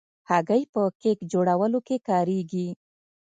هګۍ په کیک جوړولو کې کارېږي.